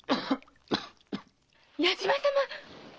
矢島様！